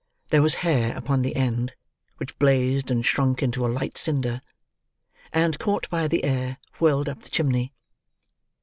There was hair upon the end, which blazed and shrunk into a light cinder, and, caught by the air, whirled up the chimney.